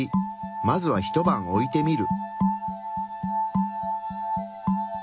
まずはひと晩置いてみる。